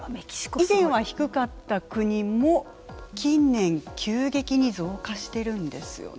以前は低かった国も近年急激に増加してるんですよね。